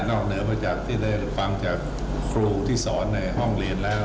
เหนือมาจากที่ได้ฟังจากครูที่สอนในห้องเรียนแล้ว